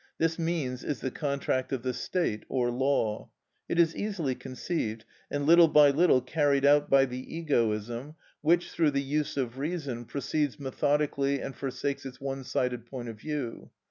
This means is the contract of the state or law. It is easily conceived, and little by little carried out by the egoism, which, through the use of reason, proceeds methodically and forsakes its one sided point of view.